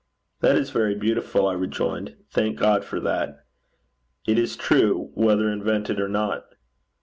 'That is very beautiful,' I rejoined. 'Thank God for that. It is true, whether invented or not.